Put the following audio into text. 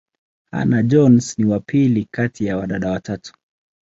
Hannah-Jones ni wa pili kati ya dada watatu.